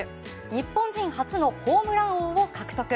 日本人初のホームラン王を獲得。